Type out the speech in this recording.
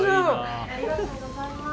ありがとうございます。